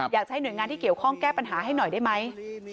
อยากให้หน่วยงานที่เกี่ยวข้องแก้ปัญหาให้หน่อยได้ไหม